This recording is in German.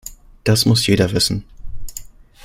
Das muss jeder wissen.